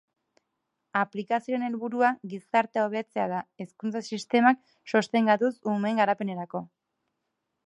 Aplikazioaren helburua gizartea hobetzea da, hezkuntza sistemak sostengatuz umeen garapenerako.